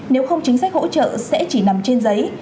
nếu không chính sách hỗ trợ sẽ chỉ nằm trên giấy